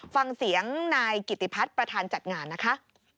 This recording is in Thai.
ฟังเสียงนายกิติพัฒน์ประธานจัดงานนะคะ